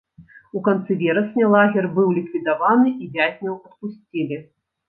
У канцы верасня лагер быў ліквідаваны, і вязняў адпусцілі.